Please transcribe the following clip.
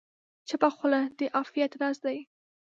چپه خوله، د عافیت راز دی.